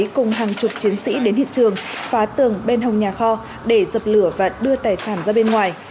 cùng hàng chục chiến sĩ đến hiện trường phá tường bên hồng nhà kho để dập lửa và đưa tài sản ra bên ngoài